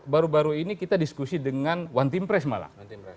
baru baru ini kita diskusi dengan one team press malah